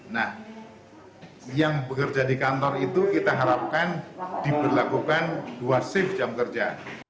nah yang bekerja di kantor itu kita harapkan diberlakukan dua shift jam kerja